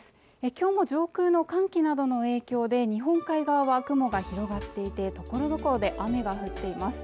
きょうも上空の寒気などの影響で日本海側は雲が広がっていてところどころで雨が降っています